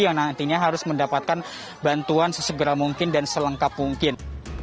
yang nantinya harus mendapatkan bantuan sesegera mungkin dan selengkap mungkin